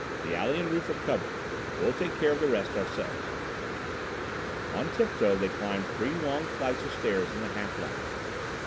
"The alley and roof are covered. We'll take care of the rest ourselves." On tiptoe they climbed three long flights of stairs in the half light.